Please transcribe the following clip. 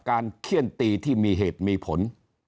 เขี้ยนตีที่มีเหตุมีผล